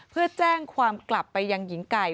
เพื่อแจ้งความกลับไปยังหญิงไก่